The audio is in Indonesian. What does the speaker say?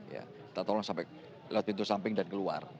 ya minta tolong sampai lewat pintu samping dan keluar